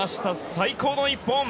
最高の１本！